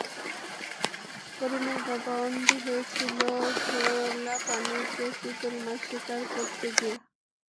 করিমের বাবা অন্ধ হয়েছিল ঘোলা পানিতে চিতল মাছ শিকার করতে গিয়ে।